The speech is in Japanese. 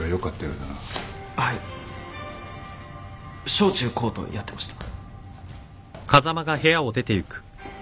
小中高とやってました。